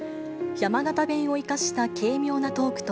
山形弁を生かした軽妙なトークと、